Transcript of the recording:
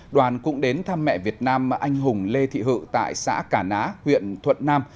đoàn cũng đến thăm mẹ việt nam anh hùng lê thị hự tại xã cà ná huyện thuận nam